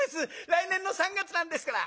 来年の三月なんですから」。